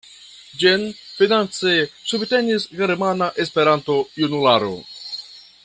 Ĝin finance subtenis Germana Esperanto-Junularo.